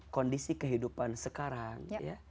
kondisi kehidupan sekarang